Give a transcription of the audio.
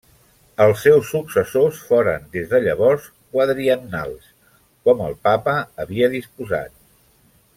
Els seus successors foren des de llavors quadriennals, com el Papa havia disposat.